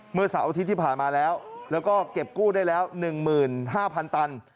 เมื่อเสาร์อาทิตย์ที่ผ่านมาแล้วแล้วก็เก็บกู้ได้แล้วหนึ่งหมื่นห้าพันตัน